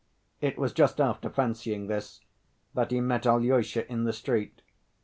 It was just after fancying this, that he met Alyosha in the street.